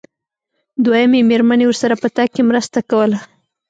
دويمې مېرمنې ورسره په تګ کې مرسته کوله.